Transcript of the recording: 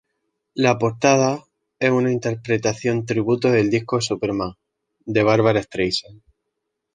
La portada es una reinterpretación-tributo del disco "Superman", de Barbra Streisand.